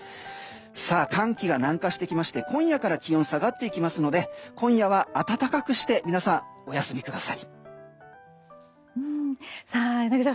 寒気が南下してきまして今夜から気温が下がりますので今夜は暖かくして皆さん、お休みください。